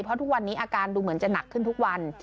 เพราะทุกวันนี้อาการดูเหมือนจะหนักขึ้นทุกวัน